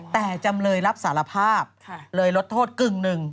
แต่จำเลยรับสารภาพเลยลดโทษกึ่งหนึ่ง